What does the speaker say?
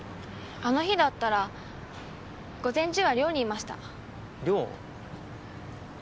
あの日だったら午前中は寮にいました。